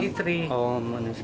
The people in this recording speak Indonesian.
ijinnya sama istri